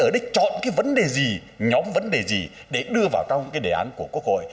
ở đích chọn cái vấn đề gì nhóm vấn đề gì để đưa vào trong cái đề án của quốc hội